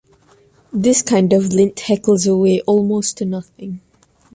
This kind of lint heckles away almost to nothing